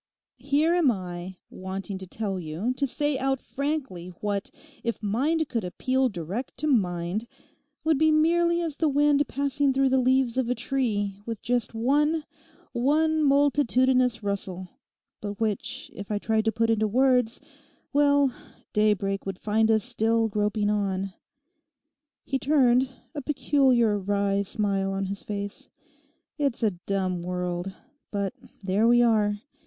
Here am I, wanting to tell you, to say out frankly what, if mind could appeal direct to mind, would be merely as the wind passing through the leaves of a tree with just one—one multitudinous rustle, but which, if I tried to put into words—well, daybreak would find us still groping on....' He turned; a peculiar wry smile on his face. 'It's a dumb world: but there we are.